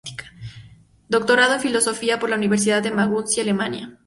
Doctorado en Filosofía por la Universidad de Maguncia, Alemania.